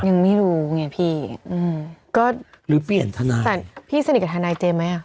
ยังไม่รู้ไงพี่อืมก็หรือเปลี่ยนทนายแต่พี่สนิทกับทนายเจมสไหมอ่ะ